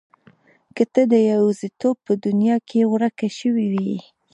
که ته د يوازيتوب په دنيا کې ورکه شوې يې.